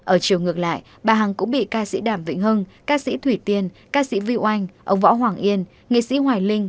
ở chiều ngược lại bà hằng cũng bị ca sĩ đàm vĩnh hưng ca sĩ thủy tiên ca sĩ viu anh ông võ hoàng yên nghệ sĩ hoài linh